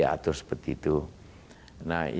nah karena itulah kalau terjadi begitu ya persis